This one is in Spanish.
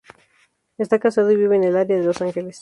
Está casado y vive en el área de Los Ángeles.